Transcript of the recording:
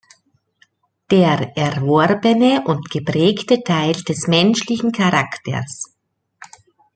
Der erworbene und geprägte Teil des menschlichen Charakters.